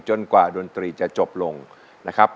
กว่าดนตรีจะจบลงนะครับ